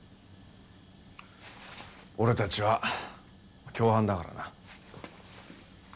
俺たちは共犯だからな。